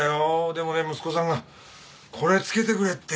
でもね息子さんがこれ付けてくれって。